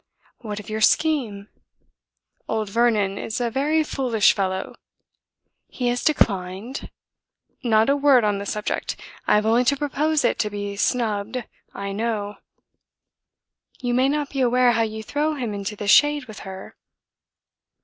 "What of your scheme?" "Old Vernon is a very foolish fellow." "He has declined?" "Not a word on the subject! I have only to propose it to be snubbed, I know." "You may not be aware how you throw him into the shade with her."